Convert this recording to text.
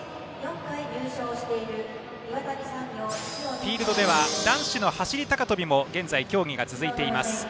フィールドでは男子走り高跳びも競技が続いています。